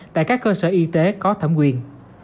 tại các cơ sở y tế có thẩm quyền